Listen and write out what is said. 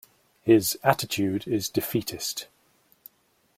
His attitude is defeatist.